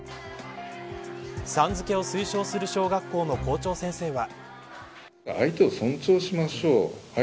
さん付けを推奨する小学校の校長先生は。